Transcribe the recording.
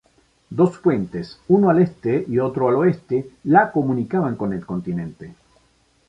Dos puentes, uno al este y otro al oeste, la comunicaban con el continente.